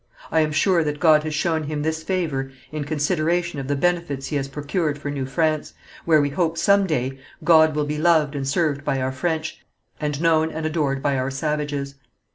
I am sure that God has shown him this favour in consideration of the benefits he has procured for New France, where we hope some day God will be loved and served by our French, and known and adored by our savages.